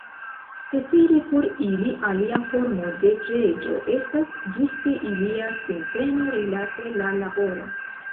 Cetere por ili alia formo de preĝo estas ĝuste ilia sinteno rilate la laboron.